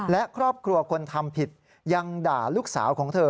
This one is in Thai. และครอบครัวคนทำผิดยังด่าลูกสาวของเธอ